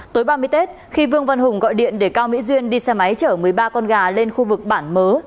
tối ba mươi tết khi vương văn hùng gọi điện để cao mỹ duyên đi xe máy chở một mươi ba con gà lên khu vực bản mớ